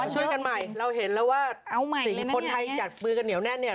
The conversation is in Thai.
ช่วยกันใหม่เราเห็นแล้วว่าสิ่งคนไทยจับมือกันเหนียวแน่นเนี่ย